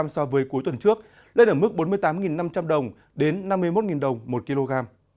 so với cuối tuần trước lên ở mức bốn mươi tám năm trăm linh đồng đến năm mươi một đồng một kg